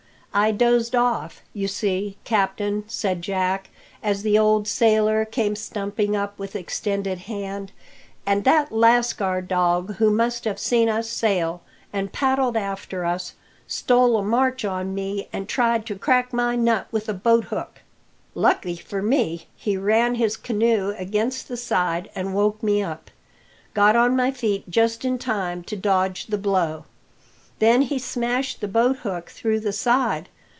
I dozed off, you see, captain," said Jack, as the old sailor came stumping up with extended hand, "and that lascar dog, who must have seen us sail and paddled after us, stole a march on me, and tried to crack my nut with a boathook. Lucky for me, he ran his canoe against the side and woke me up. Got on my feet just in time to dodge the blow. Then he smashed the boathook through the side.